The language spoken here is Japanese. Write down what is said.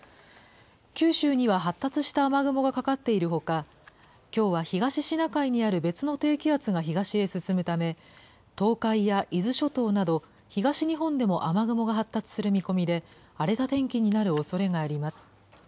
九州には発達した雨雲がかかっているほか、きょうは東シナ海にある別の低気圧が東へ進むため、東海や伊豆諸島など、東日本でも雨雲が発達する見込みで、荒れた天気になるおそれがあります。